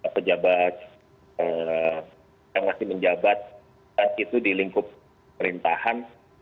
pejabat yang masih menjabat saat itu di lingkup perintahan